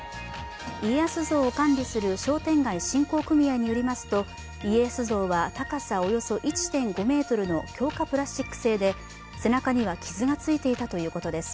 家康像を管理する商店街侵攻組合によりますと、家康像は高さおよそ１．５ｍの強化プラスチック製で、背中には傷がついていたということです。